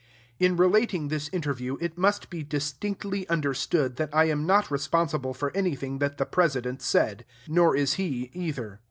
In relating this interview, it must be distinctly understood that I am not responsible for anything that the President said; nor is he, either.